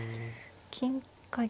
金か銀。